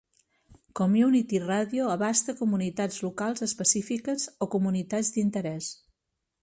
Community Radio abasta comunitats locals específiques o comunitats d'interès.